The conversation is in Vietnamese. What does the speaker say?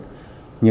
cái thứ ba là